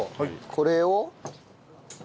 これを？